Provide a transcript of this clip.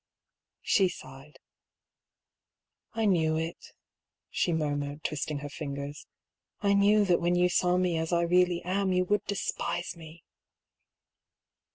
She sighed. "I knew it," she murmured, twisting her fingers. "I knew that when you saw me as I really am, you would despise me